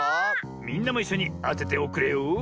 みんなもいっしょにあてておくれよ。